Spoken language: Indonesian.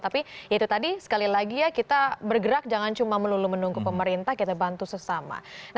tapi ya itu tadi sekali lagi ya kita bergerak jangan cuma melulu menunggu pemerintah kita bantu sesama